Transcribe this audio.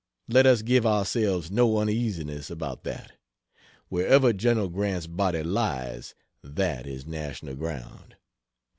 Let us give ourselves no uneasiness about that. Wherever General Grant's body lies, that is national ground.